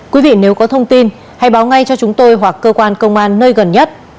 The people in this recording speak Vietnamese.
quý vị nếu có thông tin hãy báo ngay cho chúng tôi hoặc cơ quan công an nơi gần nhất